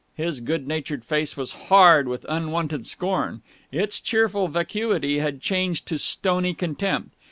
His good natured face was hard with unwonted scorn. Its cheerful vacuity had changed to stony contempt.